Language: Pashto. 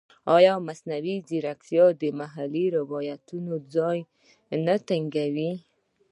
ایا مصنوعي ځیرکتیا د محلي روایتونو ځای نه تنګوي؟